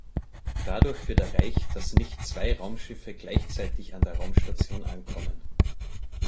Dadurch wird erreicht, dass nicht zwei Raumschiffe gleichzeitig an der Raumstation ankommen.